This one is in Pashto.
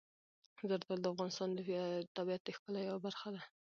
زردالو د افغانستان د طبیعت د ښکلا یوه برخه ده.